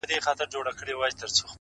ښه دی چي ونه درېد ښه دی چي روان ښه دی”